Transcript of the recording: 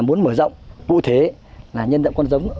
muốn mở rộng vụ thế là nhân dạng con giống